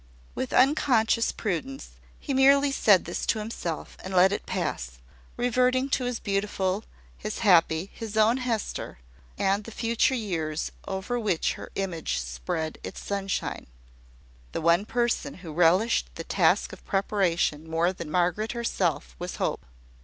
With unconscious prudence, he merely said this to himself, and let it pass, reverting to his beautiful, his happy, his own Hester, and the future years over which her image spread its sunshine. The one person who relished the task of preparation more than Margaret herself was Hope.